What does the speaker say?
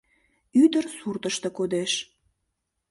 Ӱдыр суртышто кодеш.